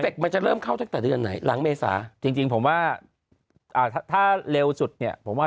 เข้าจากแต่เดือนไหนหลังเมษาจริงผมว่าถ้าเร็วสุดเนี่ยผมว่า